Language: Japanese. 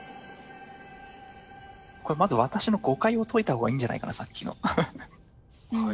まず私の誤解を解いたほうがいいんじゃないかなさっきの。